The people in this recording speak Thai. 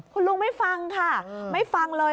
คุณลุงไม่ฟังค่ะไม่ฟังเลย